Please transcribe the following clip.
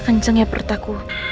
kenceng ya pertaku